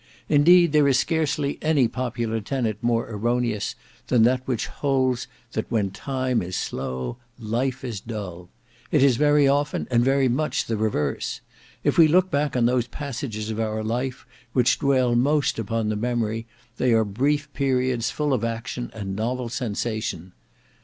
Indeed there is scarcely any popular tenet more erroneous than that which holds that when time is slow, life is dull. It is very often and very much the reverse. If we look back on those passages of our life which dwell most upon the memory, they are brief periods full of action and novel sensation.